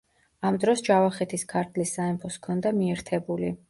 ამ დროს ჯავახეთი ქართლის სამეფოს ჰქონდა მიერთებული.